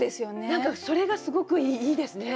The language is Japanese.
何かそれがすごくいいですね。